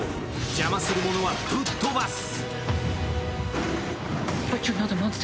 邪魔する者はぶっ飛ばす。